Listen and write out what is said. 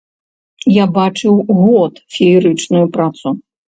Я бачыў год феерычную працу.